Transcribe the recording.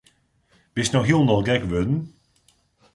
Bist no hielendal gek wurden?